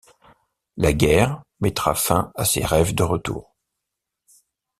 La guerre mettra fin à ses rêves de retour.